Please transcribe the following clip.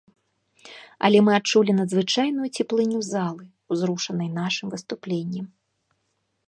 Але мы адчулі надзвычайную цеплыню залы, узрушанай нашым выступленнем.